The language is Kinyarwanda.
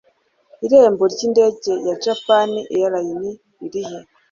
irembo ryindege ya japan airlines ririhe